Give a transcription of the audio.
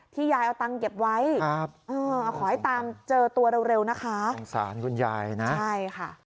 ยายเอาตังค์เก็บไว้ขอให้ตามเจอตัวเร็วนะคะสงสารคุณยายนะใช่ค่ะ